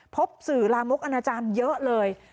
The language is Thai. พบสื่อลามกอนาจารย์เยอะเลย